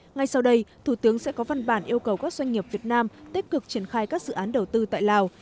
ngay sau đây thủ tướng sẽ có văn bản yêu cầu các doanh nghiệp việt nam tích cực triển khai các dự án đầu tư tại lào